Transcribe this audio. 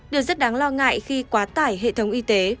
điều rất đáng lo ngại khi quá tải hệ thống y tế